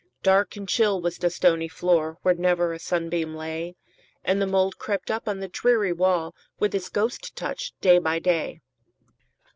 Dark and chill was the stony floor, Where never a sunbeam lay, And the mould crept up on the dreary wall, With its ghost touch, day by day.